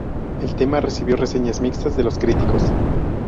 El tema recibió reseñas mixtas de los críticos.